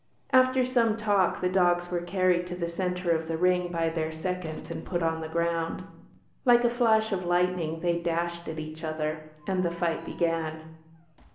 After some talk, the dogs were carried to the centre of the ring by their seconds and put on the ground. Like a flash of lightning they dashed at each other, and the fight began.